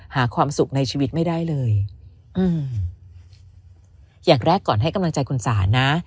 หาความสุขในชีวิตไม่ได้เลยอืมอย่างแรกก่อนให้กำลังใจคุณสานะ